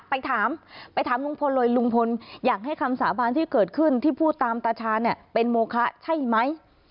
ไปถามไปถามลุงพลเลยลุงพลอยากให้คำสาบานที่เกิดขึ้นที่พูดตามตาชาเนี่ยเป็นโมคะใช่ไหม